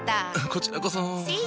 こちらこそ。